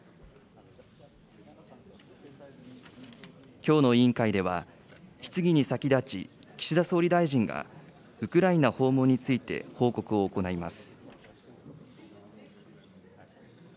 きょうの委員会では、質疑に先だち、岸田総理大臣がウクライナ訪問について報告を行います。